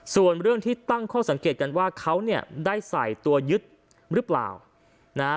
ส่วนเรื่องที่ตั้งข้อสังเกตกันว่าเขาเนี่ยได้ใส่ตัวยึดหรือเปล่านะฮะ